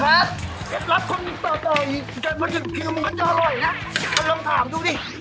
แคล็ดรับคนต่ออยู่นี่มันก็จะอร่อยนะลองถามดูดิ